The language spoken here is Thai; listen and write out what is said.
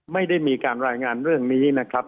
ไม่ได้มีการรายงานเรื่องนี้นะครับ